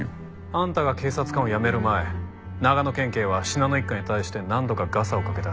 あんたが警察官を辞める前長野県警は信濃一家に対して何度かガサをかけた。